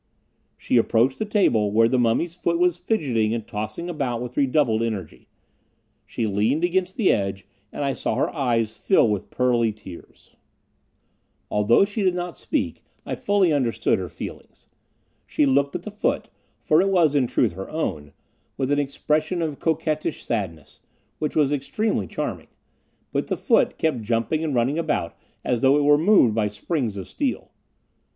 She approached the table, where the mummy's foot was fidgeting and tossing about with redoubled energy. She leaned against the edge, and I saw her eyes fill with pearly tears. Although she did not speak, I fully understood her feelings. She looked at the foot, for it was in truth her own, with an expression of coquettish sadness, which was extremely charming; but the foot kept jumping and running about as though it were moved by springs of steel.